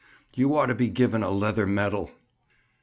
"You ought to be given a leather medal."